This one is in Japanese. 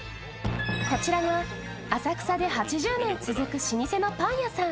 こちらが浅草で８０年続く老舗のパン屋さん